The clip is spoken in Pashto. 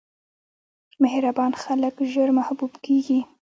مهربان خلک ژر محبوب کېږي.